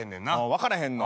分からへんの？